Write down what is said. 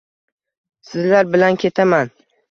Sizlar bilan ketaman